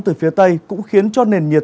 từ phía tây cũng khiến cho nền nhiệt